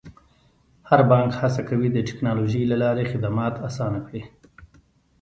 هر بانک هڅه کوي د ټکنالوژۍ له لارې خدمات اسانه کړي.